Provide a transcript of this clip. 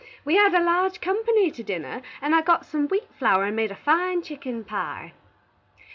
We had a large company to dinner, and I got some wheat flower and made a fine chicken pye.